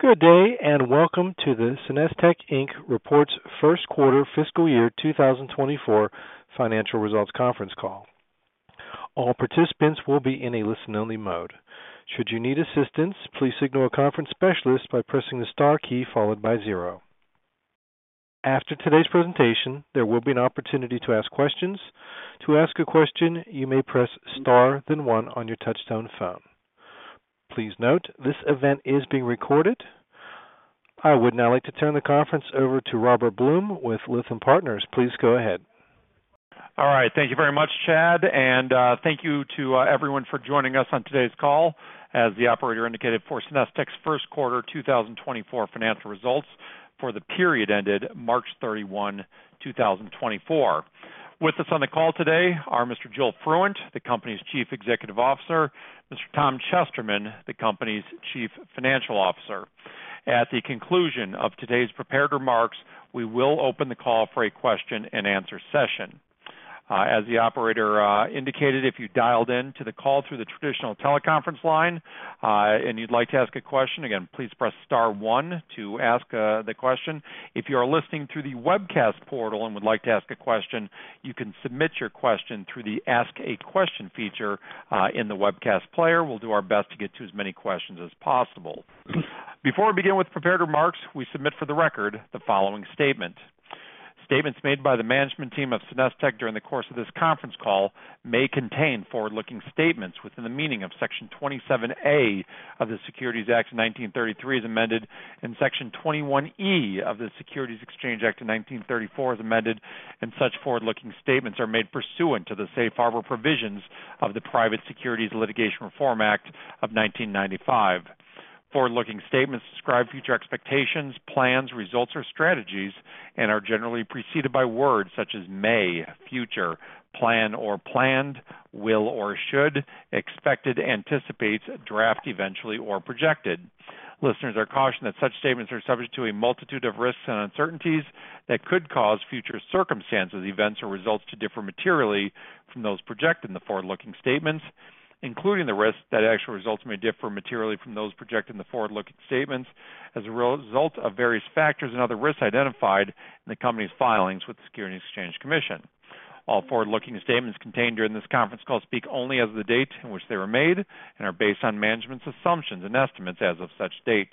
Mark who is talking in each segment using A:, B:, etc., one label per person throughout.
A: Good day and welcome to the SenesTech, Inc. reports first quarter fiscal year 2024 financial results conference call. All participants will be in a listen-only mode. Should you need assistance, please signal a conference specialist by pressing the star key followed by zero. After today's presentation, there will be an opportunity to ask questions. To ask a question, you may press star then one on your touch-tone phone. Please note, this event is being recorded. I would now like to turn the conference over to Robert Blum with Lytham Partners. Please go ahead.
B: All right. Thank you very much, Chad. Thank you to everyone for joining us on today's call. As the operator indicated, for SenesTech's first quarter 2024 financial results for the period ended March 31, 2024. With us on the call today are Mr. Joel Fruendt, the company's Chief Executive Officer, and Mr. Tom Chesterman, the company's Chief Financial Officer. At the conclusion of today's prepared remarks, we will open the call for a question-and-answer session. As the operator indicated, if you dialed into the call through the traditional teleconference line and you'd like to ask a question, again, please press star one to ask the question. If you are listening through the webcast portal and would like to ask a question, you can submit your question through the Ask a Question feature in the webcast player. We'll do our best to get to as many questions as possible. Before we begin with prepared remarks, we submit for the record the following statement: Statements made by the management team of SenesTech during the course of this conference call may contain forward-looking statements within the meaning of Section 27A of the Securities Act of 1933 as amended and Section 21E of the Securities Exchange Act of 1934 as amended, and such forward-looking statements are made pursuant to the Safe Harbor provisions of the Private Securities Litigation Reform Act of 1995. Forward-looking statements describe future expectations, plans, results, or strategies and are generally preceded by words such as may, future, plan or planned, will or should, expected, anticipates, draft eventually, or projected. Listeners are cautioned that such statements are subject to a multitude of risks and uncertainties that could cause future circumstances, events, or results to differ materially from those projected in the forward-looking statements, including the risk that actual results may differ materially from those projected in the forward-looking statements as a result of various factors and other risks identified in the company's filings with the Securities and Exchange Commission. All forward-looking statements contained during this conference call speak only as of the date in which they were made and are based on management's assumptions and estimates as of such date.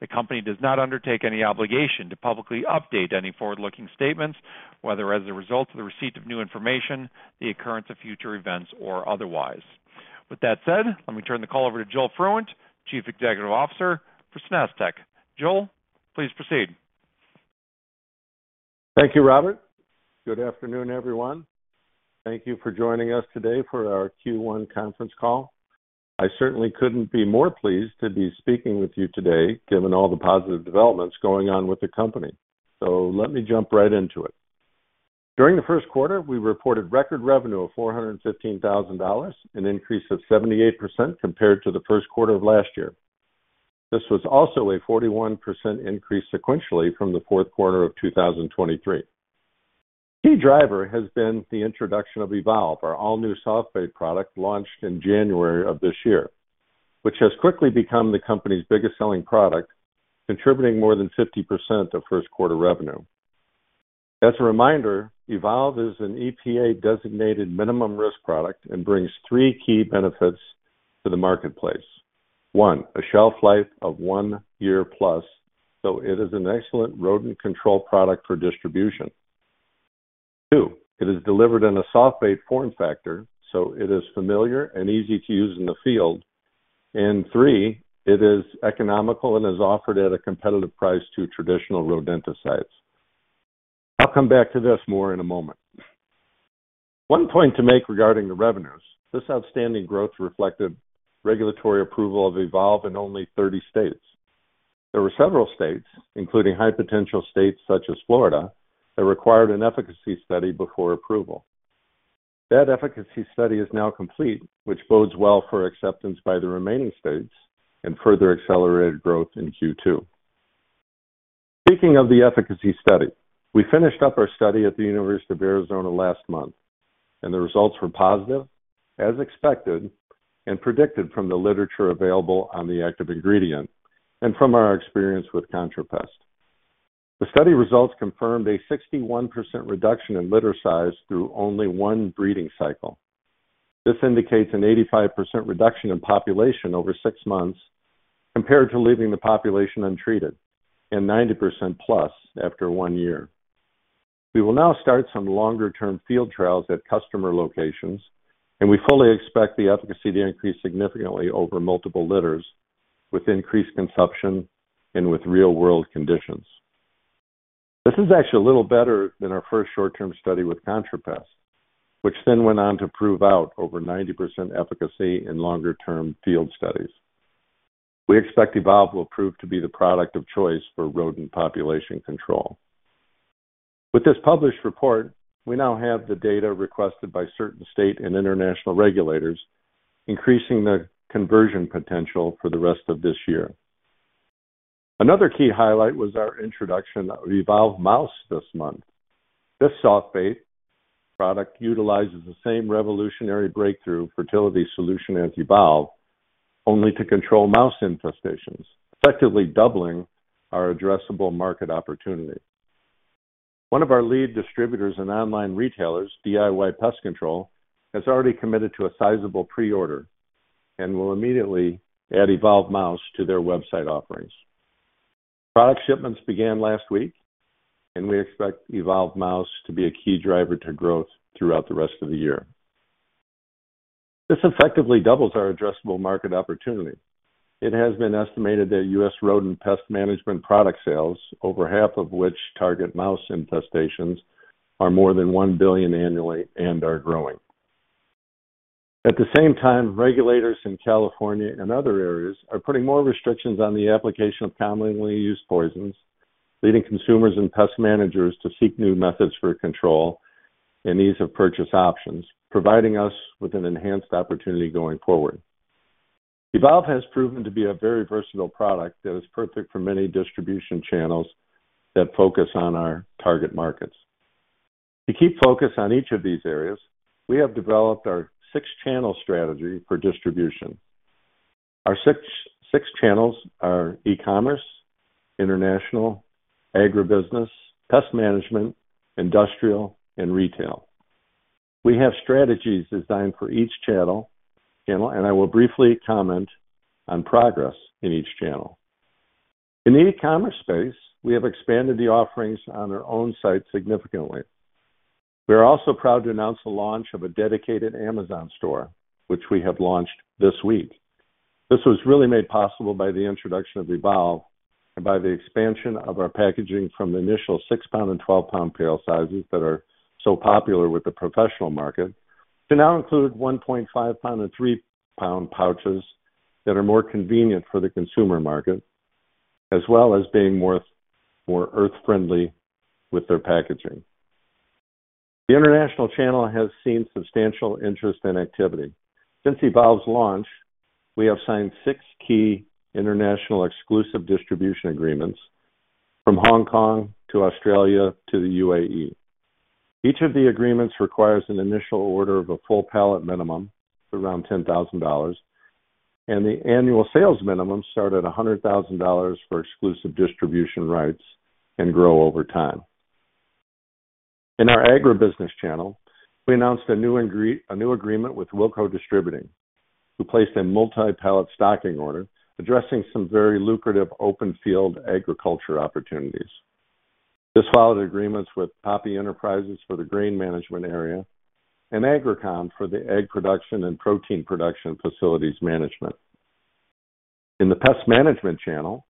B: The company does not undertake any obligation to publicly update any forward-looking statements, whether as a result of the receipt of new information, the occurrence of future events, or otherwise. With that said, let me turn the call over to Joel Fruendt, Chief Executive Officer for SenesTech. Joel, please proceed.
C: Thank you, Robert. Good afternoon, everyone. Thank you for joining us today for our Q1 conference call. I certainly couldn't be more pleased to be speaking with you today given all the positive developments going on with the company. So let me jump right into it. During the first quarter, we reported record revenue of $415,000, an increase of 78% compared to the first quarter of last year. This was also a 41% increase sequentially from the fourth quarter of 2023. Key driver has been the introduction of Evolve, our all-new soft bait product launched in January of this year, which has quickly become the company's biggest-selling product, contributing more than 50% of first-quarter revenue. As a reminder, Evolve is an EPA-designated minimum-risk product and brings three key benefits to the marketplace. One, a shelf life of one year plus, so it is an excellent rodent control product for distribution. Two, it is delivered in a soft bait form factor, so it is familiar and easy to use in the field. And three, it is economical and is offered at a competitive price to traditional rodenticides. I'll come back to this more in a moment. One point to make regarding the revenues: this outstanding growth reflected regulatory approval of Evolve in only 30 states. There were several states, including high-potential states such as Florida, that required an efficacy study before approval. That efficacy study is now complete, which bodes well for acceptance by the remaining states and further accelerated growth in Q2. Speaking of the efficacy study, we finished up our study at the University of Arizona last month, and the results were positive, as expected and predicted from the literature available on the active ingredient and from our experience with ContraPest. The study results confirmed a 61% reduction in litter size through only one breeding cycle. This indicates an 85% reduction in population over six months compared to leaving the population untreated and 90%+ after one year. We will now start some longer-term field trials at customer locations, and we fully expect the efficacy to increase significantly over multiple litters with increased consumption and with real-world conditions. This is actually a little better than our first short-term study with ContraPest, which then went on to prove out over 90% efficacy in longer-term field studies. We expect Evolve will prove to be the product of choice for rodent population control. With this published report, we now have the data requested by certain state and international regulators, increasing the conversion potential for the rest of this year. Another key highlight was our introduction of Evolve Mouse this month. This soft bait product utilizes the same revolutionary breakthrough fertility solution as Evolve, only to control mouse infestations, effectively doubling our addressable market opportunity. One of our lead distributors and online retailers, DIY Pest Control, has already committed to a sizable preorder and will immediately add Evolve Mouse to their website offerings. Product shipments began last week, and we expect Evolve Mouse to be a key driver to growth throughout the rest of the year. This effectively doubles our addressable market opportunity. It has been estimated that U.S. rodent pest management product sales, over half of which target mouse infestations, are more than $1 billion annually and are growing. At the same time, regulators in California and other areas are putting more restrictions on the application of commonly used poisons, leading consumers and pest managers to seek new methods for control and ease of purchase options, providing us with an enhanced opportunity going forward. Evolve has proven to be a very versatile product that is perfect for many distribution channels that focus on our target markets. To keep focus on each of these areas, we have developed our six-channel strategy for distribution. Our six channels are e-commerce, international, agribusiness, pest management, industrial, and retail. We have strategies designed for each channel, and I will briefly comment on progress in each channel. In the e-commerce space, we have expanded the offerings on our own site significantly. We are also proud to announce the launch of a dedicated Amazon store, which we have launched this week. This was really made possible by the introduction of Evolve and by the expansion of our packaging from the initial 6-pound and 12-pound pail sizes that are so popular with the professional market to now include 1.5-pound and 3-pound pouches that are more convenient for the consumer market, as well as being more earth-friendly with their packaging. The international channel has seen substantial interest and activity. Since Evolve's launch, we have signed 6 key international exclusive distribution agreements from Hong Kong to Australia to the UAE. Each of the agreements requires an initial order of a full pallet minimum, around $10,000, and the annual sales minimum start at $100,000 for exclusive distribution rights and grow over time. In our agribusiness channel, we announced a new agreement with Wilco Distributors, who placed a multi-pallet stocking order addressing some very lucrative open-field agriculture opportunities. This followed agreements with Poppe Enterprises for the grain management area and Agri-Co for the egg production and protein production facilities management. In the pest management channel,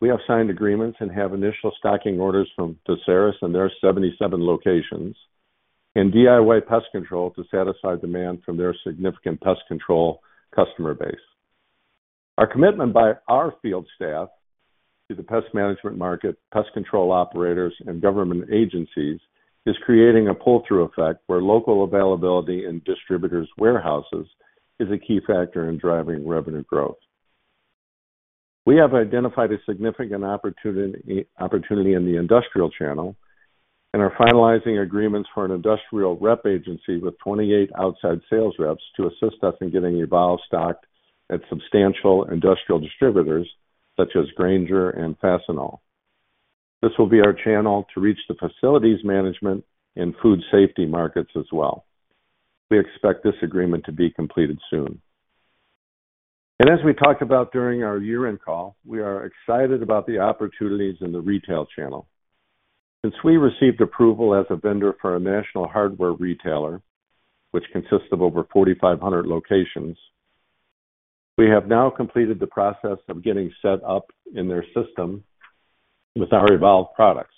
C: we have signed agreements and have initial stocking orders from Veseris and their 77 locations and DIY Pest Control to satisfy demand from their significant pest control customer base. Our commitment by our field staff to the pest management market, pest control operators, and government agencies is creating a pull-through effect where local availability in distributors' warehouses is a key factor in driving revenue growth. We have identified a significant opportunity in the industrial channel and are finalizing agreements for an industrial rep agency with 28 outside sales reps to assist us in getting Evolve stocked at substantial industrial distributors such as Grainger and Fastenal. This will be our channel to reach the facilities management and food safety markets as well. We expect this agreement to be completed soon. As we talked about during our year-end call, we are excited about the opportunities in the retail channel. Since we received approval as a vendor for a national hardware retailer, which consists of over 4,500 locations, we have now completed the process of getting set up in their system with our Evolve products.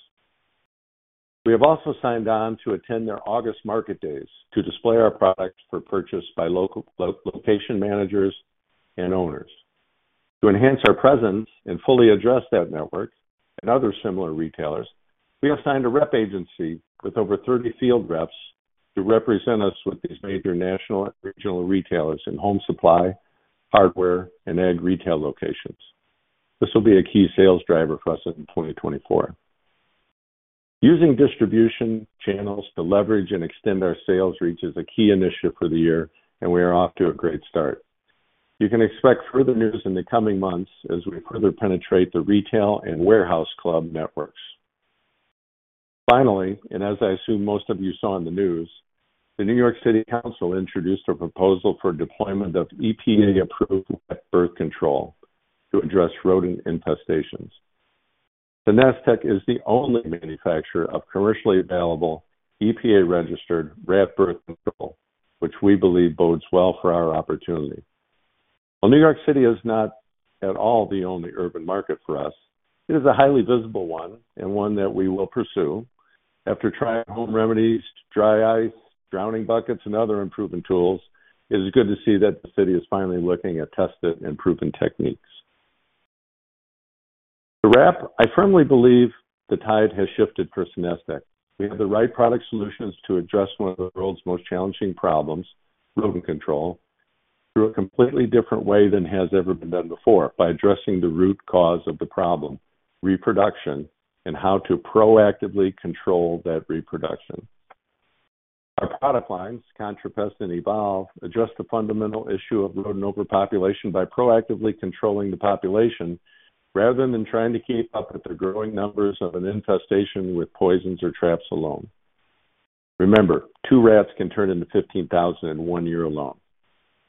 C: We have also signed on to attend their August market days to display our products for purchase by location managers and owners. To enhance our presence and fully address that network and other similar retailers, we have signed a rep agency with over 30 field reps to represent us with these major national and regional retailers in home supply, hardware, and ag retail locations. This will be a key sales driver for us in 2024. Using distribution channels to leverage and extend our sales reach is a key initiative for the year, and we are off to a great start. You can expect further news in the coming months as we further penetrate the retail and warehouse club networks. Finally, and as I assume most of you saw in the news, the New York City Council introduced a proposal for deployment of EPA-approved rat birth control to address rodent infestations. SenesTech is the only manufacturer of commercially available EPA-registered rat birth control, which we believe bodes well for our opportunity. While New York City is not at all the only urban market for us, it is a highly visible one and one that we will pursue. After trying home remedies, dry ice, drowning buckets, and other improvised tools, it is good to see that the city is finally looking at tested and proven techniques. To wrap, I firmly believe the tide has shifted for SenesTech. We have the right product solutions to address one of the world's most challenging problems, rodent control, through a completely different way than has ever been done before by addressing the root cause of the problem, reproduction, and how to proactively control that reproduction. Our product lines, ContraPest and Evolve, address the fundamental issue of rodent overpopulation by proactively controlling the population rather than trying to keep up with the growing numbers of an infestation with poisons or traps alone. Remember, two rats can turn into 15,000 in one year alone.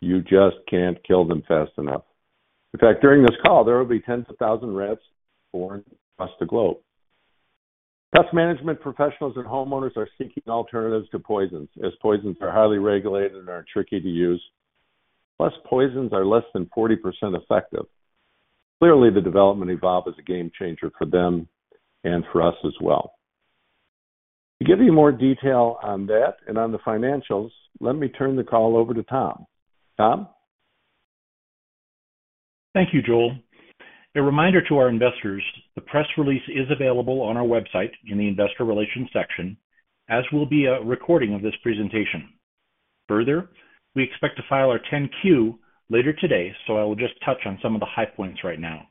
C: You just can't kill them fast enough. In fact, during this call, there will be tens of thousands of rats born across the globe. Pest management professionals and homeowners are seeking alternatives to poisons as poisons are highly regulated and are tricky to use. Plus, poisons are less than 40% effective. Clearly, the development of Evolve is a game changer for them and for us as well. To give you more detail on that and on the financials, let me turn the call over to Tom. Tom?
D: Thank you, Joel. A reminder to our investors, the press release is available on our website in the investor relations section, as will be a recording of this presentation. Further, we expect to file our 10-Q later today, so I will just touch on some of the high points right now.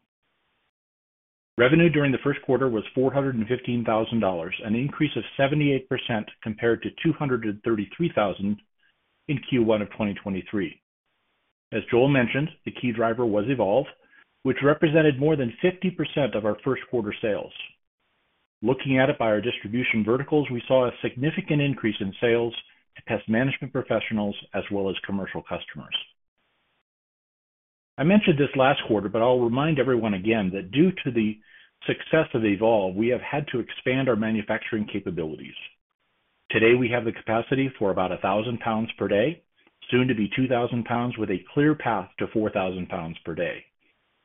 D: Revenue during the first quarter was $415,000, an increase of 78% compared to $233,000 in Q1 of 2023. As Joel mentioned, the key driver was Evolve, which represented more than 50% of our first quarter sales. Looking at it by our distribution verticals, we saw a significant increase in sales to pest management professionals as well as commercial customers. I mentioned this last quarter, but I'll remind everyone again that due to the success of Evolve, we have had to expand our manufacturing capabilities. Today, we have the capacity for about 1,000 pounds per day, soon to be 2,000 pounds with a clear path to 4,000 pounds per day,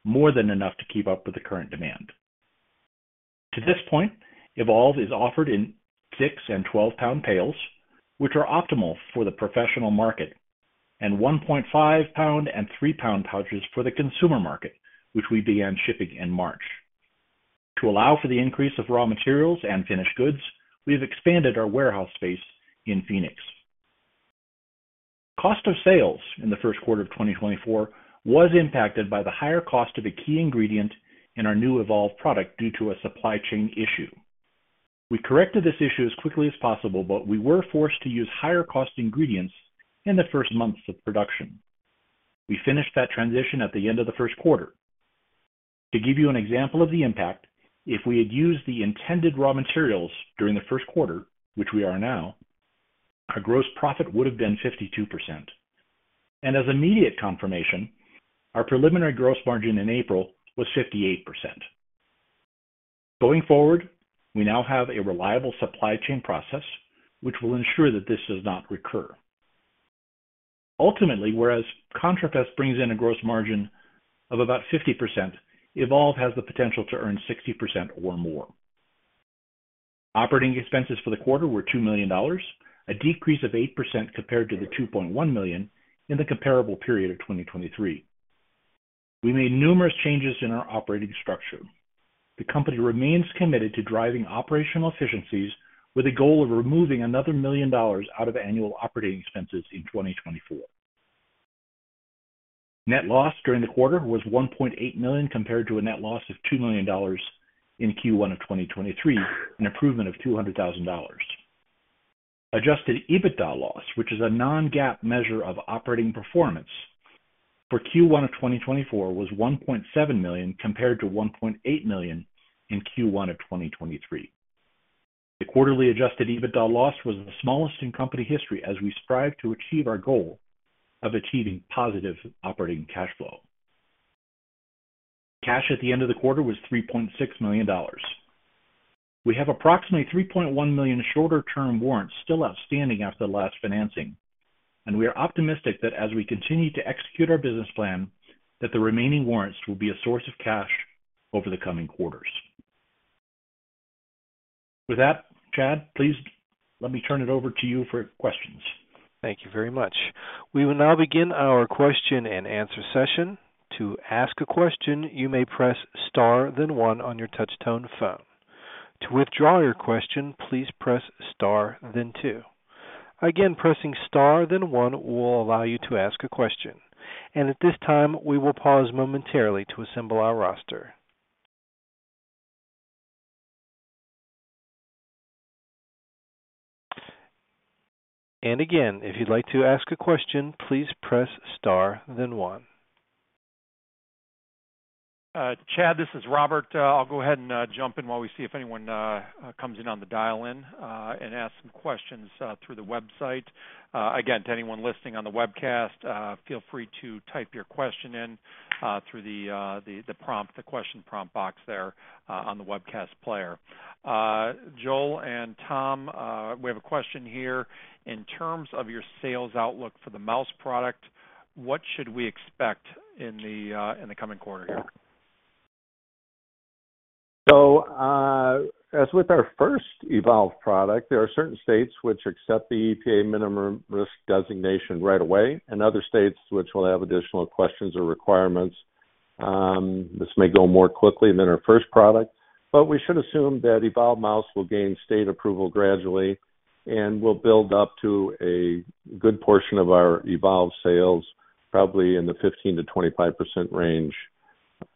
D: more than enough to keep up with the current demand. To this point, Evolve is offered in 6- and 12-pound pails, which are optimal for the professional market, and 1.5-pound and 3-pound pouches for the consumer market, which we began shipping in March. To allow for the increase of raw materials and finished goods, we have expanded our warehouse space in Phoenix. Cost of sales in the first quarter of 2024 was impacted by the higher cost of a key ingredient in our new Evolve product due to a supply chain issue. We corrected this issue as quickly as possible, but we were forced to use higher-cost ingredients in the first months of production. We finished that transition at the end of the first quarter. To give you an example of the impact, if we had used the intended raw materials during the first quarter, which we are now, our gross profit would have been 52%. And as immediate confirmation, our preliminary gross margin in April was 58%. Going forward, we now have a reliable supply chain process, which will ensure that this does not recur. Ultimately, whereas ContraPest brings in a gross margin of about 50%, Evolve has the potential to earn 60% or more. Operating expenses for the quarter were $2 million, a decrease of 8% compared to the $2.1 million in the comparable period of 2023. We made numerous changes in our operating structure. The company remains committed to driving operational efficiencies with the goal of removing another $1 million out of annual operating expenses in 2024. Net loss during the quarter was $1.8 million compared to a net loss of $2 million in Q1 of 2023, an improvement of $200,000. Adjusted EBITDA loss, which is a non-GAAP measure of operating performance for Q1 of 2024, was $1.7 million compared to $1.8 million in Q1 of 2023. The quarterly adjusted EBITDA loss was the smallest in company history as we strive to achieve our goal of achieving positive operating cash flow. Cash at the end of the quarter was $3.6 million. We have approximately 3.1 million shorter-term warrants still outstanding after the last financing, and we are optimistic that as we continue to execute our business plan, that the remaining warrants will be a source of cash over the coming quarters. With that, Chad, please let me turn it over to you for questions.
A: Thank you very much. We will now begin our question and answer session. To ask a question, you may press star then one on your touch-tone phone. To withdraw your question, please press star then two. Again, pressing star then one will allow you to ask a question. And at this time, we will pause momentarily to assemble our roster. And again, if you'd like to ask a question, please press star then one.
B: Chad, this is Robert. I'll go ahead and jump in while we see if anyone comes in on the dial-in and asks some questions through the website. Again, to anyone listening on the webcast, feel free to type your question in through the question prompt box there on the webcast player. Joel and Tom, we have a question here. In terms of your sales outlook for the Mouse product, what should we expect in the coming quarter here?
C: So as with our first Evolve product, there are certain states which accept the EPA minimum risk designation right away and other states which will have additional questions or requirements. This may go more quickly than our first product, but we should assume that Evolve Mouse will gain state approval gradually and will build up to a good portion of our Evolve sales, probably in the 15%-25% range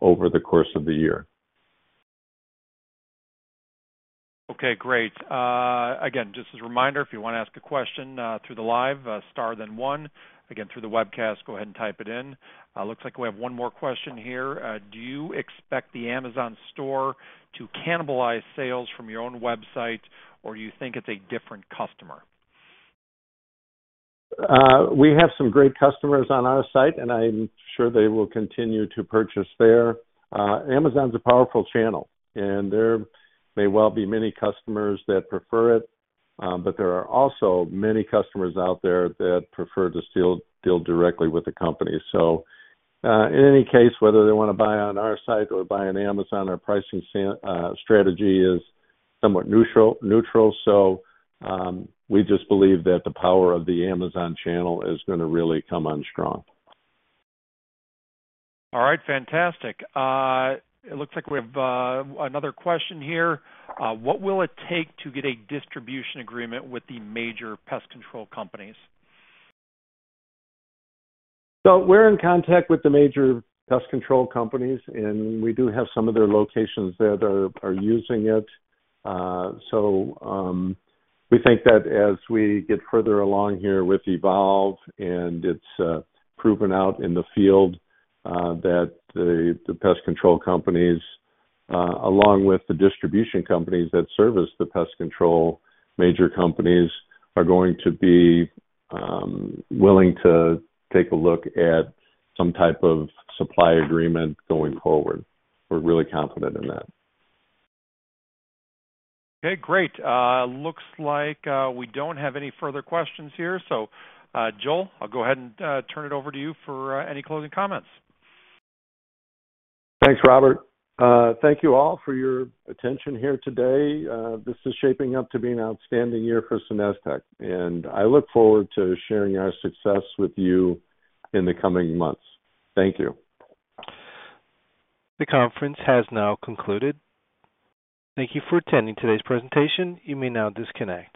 C: over the course of the year.
B: Okay, great. Again, just as a reminder, if you want to ask a question through the line, star then one. Again, through the webcast, go ahead and type it in. Looks like we have one more question here. Do you expect the Amazon store to cannibalize sales from your own website, or do you think it's a different customer?
C: We have some great customers on our site, and I'm sure they will continue to purchase there. Amazon's a powerful channel, and there may well be many customers that prefer it, but there are also many customers out there that prefer to deal directly with the company. So in any case, whether they want to buy on our site or buy on Amazon, our pricing strategy is somewhat neutral. So we just believe that the power of the Amazon channel is going to really come on strong.
B: All right, fantastic. It looks like we have another question here. What will it take to get a distribution agreement with the major pest control companies?
C: So we're in contact with the major pest control companies, and we do have some of their locations that are using it. So we think that as we get further along here with Evolve, and it's proven out in the field, that the pest control companies, along with the distribution companies that service the pest control major companies, are going to be willing to take a look at some type of supply agreement going forward. We're really confident in that.
B: Okay, great. Looks like we don't have any further questions here. So Joel, I'll go ahead and turn it over to you for any closing comments.
C: Thanks, Robert. Thank you all for your attention here today. This is shaping up to be an outstanding year for SenesTech, and I look forward to sharing our success with you in the coming months. Thank you.
A: The conference has now concluded. Thank you for attending today's presentation. You may now disconnect.